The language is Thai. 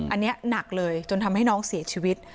อันนี้หนักเลยจนทำให้น้องเสียชีวิต